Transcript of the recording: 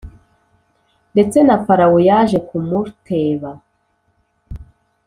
Ndetse na Farawo yaje kumurteba